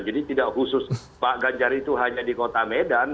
jadi tidak khusus pak ganjar itu hanya di kota medan